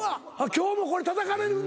今日もこれたたかれるんだ。